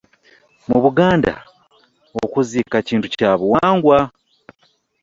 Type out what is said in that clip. Mu Buganda okuziika kintu kya buwangwa.